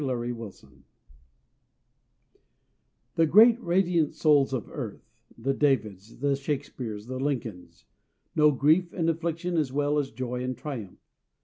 _ VICTORY IN DEFEAT The great, radiant souls of earth the Davids, the Shakespeares, the Lincolns know grief and affliction as well as joy and triumph.